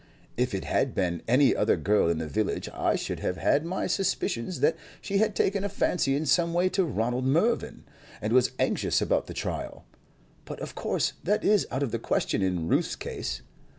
If it had been any other girl in the village, I should have had my suspicion that she had taken a fancy in some way to Ronald Mervyn, and was anxious about the trial; but of course that is out of the question in Ruth's case.